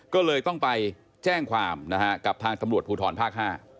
ก็เลยต้องไปแจ้งความนะฮะกับทางตำรวจภูทรภาค๕